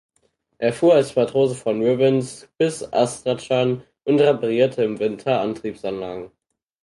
Er fuhr als Matrose von Rybinsk bis Astrachan und reparierte im Winter Antriebsanlagen.